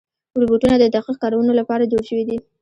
روبوټونه د دقیق کارونو لپاره جوړ شوي دي.